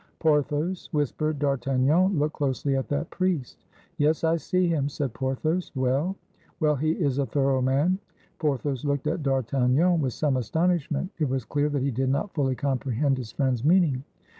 "Porthos," whispered D'Artagnan, "look closely at that priest." "Yes, I see him," said Porthos. "Well?" "Well, he is a thorough man." Porthos looked at D'Artagnan with some astonish ment; it was clear that he did not fully comprehend his friend's meaning.